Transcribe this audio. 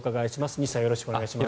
西さんよろしくお願いします。